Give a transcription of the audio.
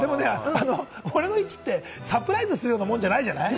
でもね、俺の位置ってサプライズするようなもんじゃないじゃない？